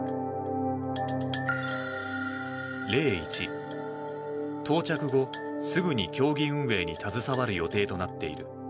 例１、到着後すぐに競技運営に携わる予定となっている。